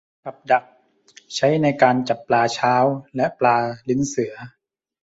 กับดักใช้ในการจับปลาเช้าและ ปลาลิ้นเสือ